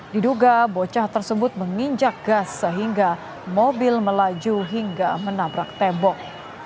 diduga bocah tersebut menginjak gas sehingga mobil melaju hingga menabrak tembok